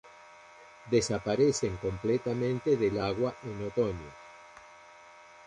Desaparecen completamente del agua en otoño.